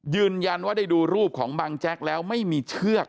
ยืนยันว่าได้ดูรูปของบังแจ๊กแล้วไม่มีเชือก